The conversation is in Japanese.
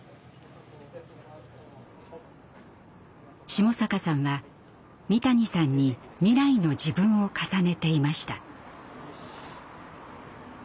下坂さんは三谷さんに未来の自分を重ねていました。